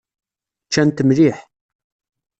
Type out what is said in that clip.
Ččant mliḥ.